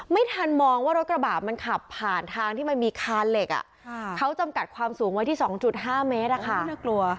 ไม่ทันมองว่ารถกระบะมันขับผ่านทางที่มันมีคานเหล็กเขาจำกัดความสูงไว้ที่๒๕เมตรน่ากลัว